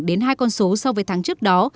đến hai con số so với tháng trước đó